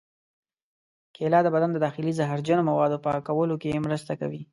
کېله د بدن د داخلي زهرجنو موادو پاکولو کې مرسته کوي.